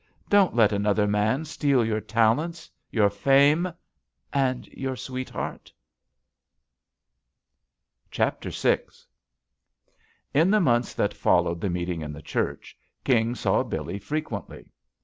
Don't let another man steal your talents, your fame — and your sweetheart I" JUST SWEETHEARTS Chapter VI IN the months that followed the meeting in the church, King saw Billee frequently.